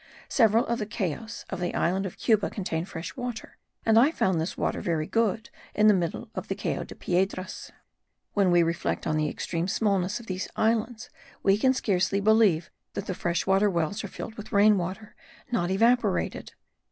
Several of the Cayos of the island of Cuba contain fresh water; and I found this water very good in the middle of the Cayo de Piedras. When we reflect on the extreme smallness of these islands we can scarcely believe that the fresh water wells are filled with rain water not evaporated.